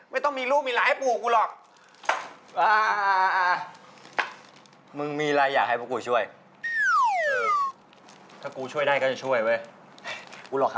ไม่ต้องมีลูกมีหลานให้ปู่กูหรอก